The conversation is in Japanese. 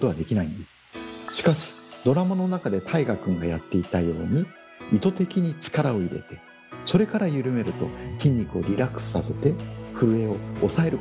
しかしドラマの中で大我君がやっていたように意図的に力を入れてそれから緩めると筋肉をリラックスさせて震えを抑えることができるんです。